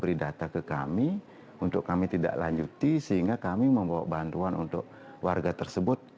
beri data ke kami untuk kami tidak lanjuti sehingga kami membawa bantuan untuk warga tersebut